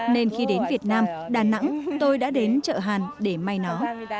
nên khi đến việt nam đà nẵng tôi đã đến chợ hàn để may nó